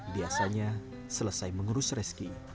biasanya selesai mengurus reski